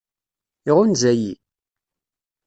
Iɣunza-yi?